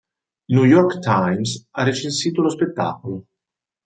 Il New York Times ha recensito lo spettacolo.